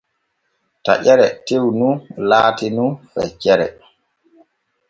Taƴeere tew nu laati nun feccere.